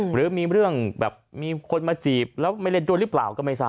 หรือมีเรื่องแบบมีคนมาจีบแล้วไม่เล่นด้วยหรือเปล่าก็ไม่ทราบ